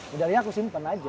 medalinya aku simpen aja